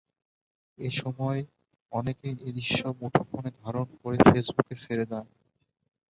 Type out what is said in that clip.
এ সময় অনেকে এ দৃশ্য মুঠোফোনে ধারণ করে ফেসবুকে ছেড়ে দেন।